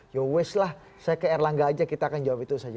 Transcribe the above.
ya west lah saya ke erlangga aja kita akan jawab itu saja